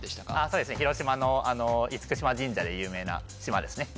そうですね広島の厳島神社で有名な島ですね